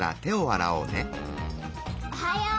おはよう！